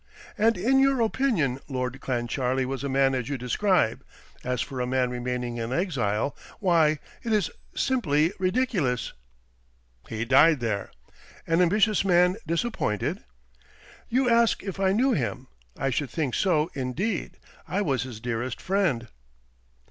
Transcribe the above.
"And in your opinion Lord Clancharlie was a man as you describe. As for a man remaining in exile, why, it is simply ridiculous." "He died there." "An ambitious man disappointed?" "You ask if I knew him? I should think so indeed. I was his dearest friend."